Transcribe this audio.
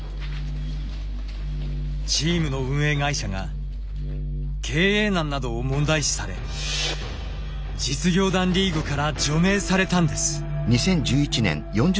チームの運営会社が経営難などを問題視され実業団リーグから除名されたんです。